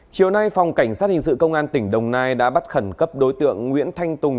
chiều nay phòng cảnh sát hình sự công an tỉnh đồng nai đã bắt khẩn cấp đối tượng nguyễn thanh tùng